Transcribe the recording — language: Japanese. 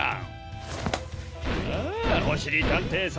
あおしりたんていさん